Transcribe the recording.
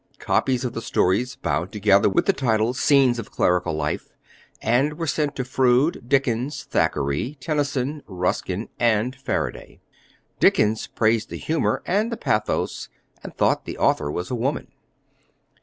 Copies of the stories bound together, with the title Scenes of Clerical Life, were sent to Froude, Dickens, Thackeray, Tennyson, Ruskin, and Faraday. Dickens praised the humor and the pathos, and thought the author was a woman.